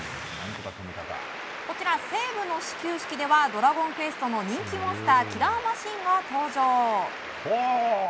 こちら、西武の始球式では「ドラゴンクエスト」の人気モンスターキラーマシンが登場。